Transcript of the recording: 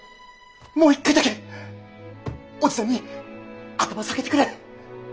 もう一回だけおじさんに頭下げてくれん！